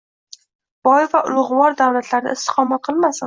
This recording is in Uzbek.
Boy va ulugʻvor davlatlarda istiqomat qilmasin